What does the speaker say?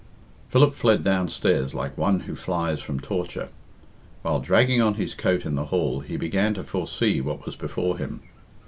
Philip fled downstairs like one who flies from torture. While dragging on his coat in the hall, he began to foresee what was before him.